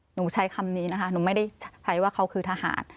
หนูใช้คำนี้นะคะหนูไม่ได้ใช้ว่าเขาคือทหาร